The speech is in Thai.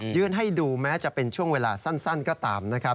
ให้ดูแม้จะเป็นช่วงเวลาสั้นก็ตามนะครับ